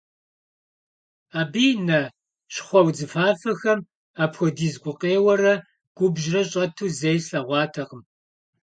Абы и нэ щхъуэ-удзыфафэхэм апхуэдиз гукъеуэрэ губжьрэ щӀэту зэи слъэгъуатэкъым.